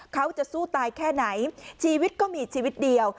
เขาจะสู้ตายแค่ไหนชีวิตก็มีชีวิตเดียว